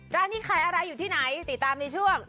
ร้านนี้ขายอะไรอยู่ที่ไหนติดตามในช่วง